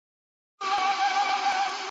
د هغه له معنا او مفهوم څخه عاجز سي .